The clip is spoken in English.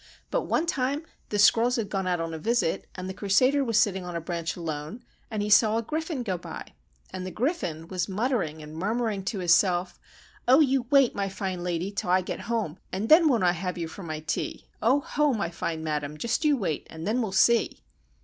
But one time the squirrels had gone out on a visit, and the Crusader was sitting on a branch alone, and he saw a Griffin go by. And the Griffin was muttering and murmuring to his self, 'Oh, you wait, my fine lady, till I get home, and then won't I have you for my tea! Oh! ho! my fine madam, just you wait, and then we'll see!